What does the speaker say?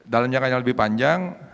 dalam jangka yang lebih panjang